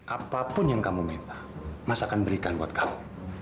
apapun yang kamu minta masa akan berikan buat kamu